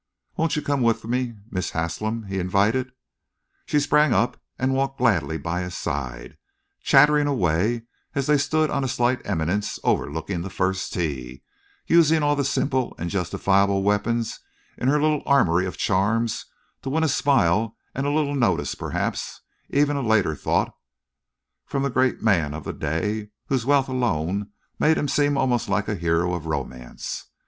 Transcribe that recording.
"Won't you come with me, Miss Haslem?" he invited. She sprang up and walked gladly by his side, chattering away as they stood on a slight eminence overlooking the first tee, using all the simple and justifiable weapons in her little armoury of charms to win a smile and a little notice, perhaps even a later thought from the great man of the day whose wealth alone made him seem almost like a hero of romance.